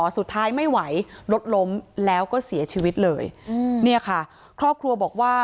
สุดท้ายไม่ไหวรถล้มแล้วก็เสียชีวิตเลยอืมเนี่ยค่ะครอบครัวบอกว่า